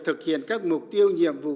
thực hiện các mục tiêu nhiệm vụ